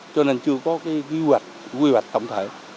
cho nên chưa có cái quy hoạch quy hoạch tổng thể